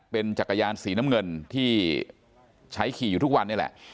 เป็นจักรยานสีน้ำเงินที่ใช้ขี่อยู่ทุกวันนี้แหละ